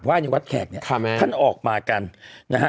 ว่าอยู่วัดแขกเนี่ยท่านออกมากันนะฮะ